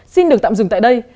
xin được tạm dừng tại đây